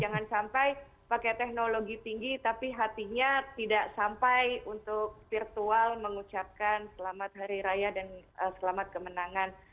jangan sampai pakai teknologi tinggi tapi hatinya tidak sampai untuk virtual mengucapkan selamat hari raya dan selamat kemenangan